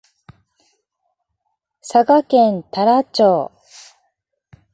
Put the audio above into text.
佐賀県太良町